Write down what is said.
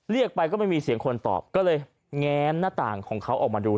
เรียกไปก็ไม่มีเสียงคนตอบก็เลยแง้มหน้าต่างของเขาออกมาดู